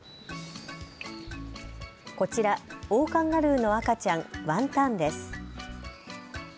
こちら、オオカンガルーの赤ちゃん、ワンタンです。